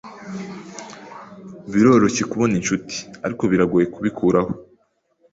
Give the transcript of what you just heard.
Biroroshye kubona inshuti, ariko biragoye kubikuraho.